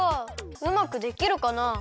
うまくできるかな？